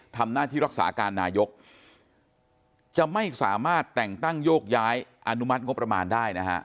ทำหน้าที่รักษาการนายกจะไม่สามารถแต่งตั้งโยกย้ายอนุมัติงบประมาณได้นะฮะ